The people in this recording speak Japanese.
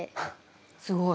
すごい。